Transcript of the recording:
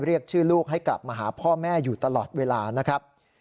เรียกชื่อลูกให้กลับมาหาพ่อแม่อยู่ตลอดเวลานะครับ